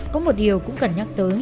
có một điều cũng cần nhắc tới